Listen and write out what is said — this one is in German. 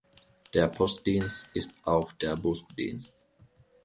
Der Postdienst ist auch der Busdienst.